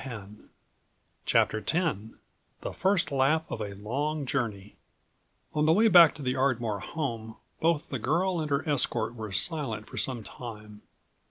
107 CHAPTER XTHE FIRST LAP OF A LONG JOURNEY On the way back to the Ardmore home both the girl and her escort were silent for some time.